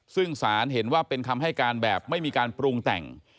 ซึ่งสารเห็นว่าเป็นคำให้การแบบไม่มีการปรุงแต่ง